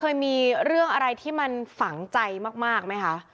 เคยมีเรื่องอะไรที่มันฝังใจมากไหมคะ